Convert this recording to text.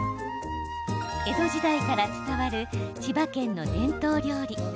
江戸時代から伝わる千葉県の伝統料理。